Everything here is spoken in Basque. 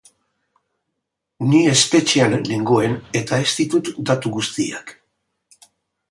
Ni espetxean nengoen eta ez ditut datu guztiak.